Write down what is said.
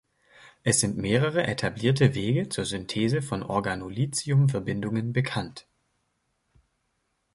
Es sind mehrere etablierte Wege zur Synthese von Organolithium-Verbindungen bekannt.